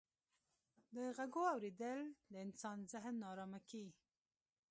د ږغو اورېدل د انسان ذهن ناآرامه کيي.